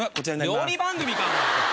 料理番組か！